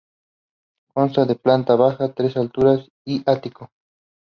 Consta de planta baja, tres alturas y ático.